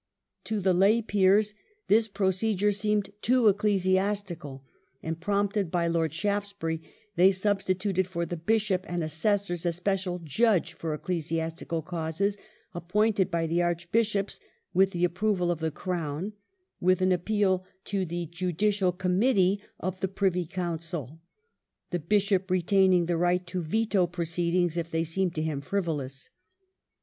To the lay Peers this procedure seemed too ecclesiastical and, prompted by Lord Shaftesbury, they substituted for the Bishop and Assessors a special Judge for ecclesiastical causes appointed by the Archbishops with the approval of the Crown, with an appeal to the Judicial Committee of the Privy Council ; the Bishop retaining the right to veto proceedings if they seemed to him frivolous.